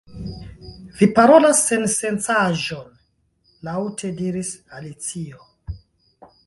"Vi parolas sensencaĵon," laŭte diris Alicio.